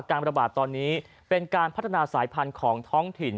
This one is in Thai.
ระบาดตอนนี้เป็นการพัฒนาสายพันธุ์ของท้องถิ่น